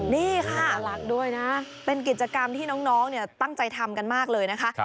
นี่ค่ะรักด้วยนะเป็นกิจกรรมที่น้องตั้งใจทำกันมากเลยนะคะ